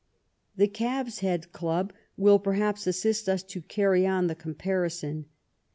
The Calves' Head Club will, perhaps, assist us to carry on the comparison.